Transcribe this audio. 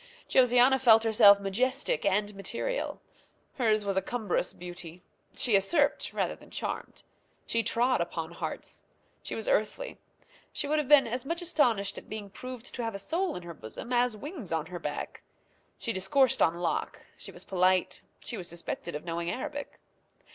Josiana felt herself majestic and material. Hers was a cumbrous beauty. She usurped rather than charmed. She trod upon hearts. She was earthly. She would have been as much astonished at being proved to have a soul in her bosom as wings on her back. She discoursed on Locke; she was polite; she was suspected of knowing Arabic.